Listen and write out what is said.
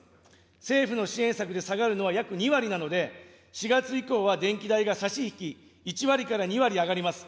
政府の支援策で下がるのは、約２割なので、４月以降は電気代が差し引き１割から２割上がります。